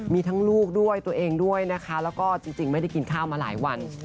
มีทั้งลูกด้วยตัวเองด้วยนะคะแล้วก็จริงไม่ได้กินข้าวมาหลายวัน